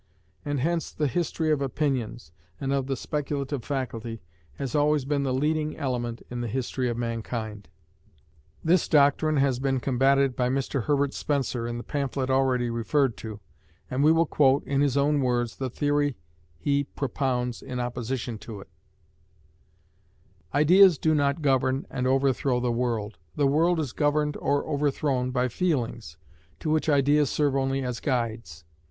And hence the history of opinions, and of the speculative faculty, has always been the leading element in the history of mankind. This doctrine has been combated by Mr Herbert Spencer, in the pamphlet already referred to; and we will quote, in his own words, the theory he propounds in opposition to it: /# "Ideas do not govern and overthrow the world; the world is governed or overthrown by feelings, to which ideas serve only as guides.